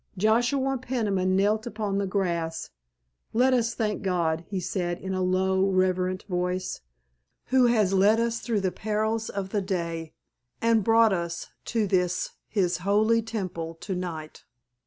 Joshua Peniman knelt upon the grass. "Let us thank God," he said in a low, reverent voice, "who has led us through the perils of the day and brought us to this His holy temple to night."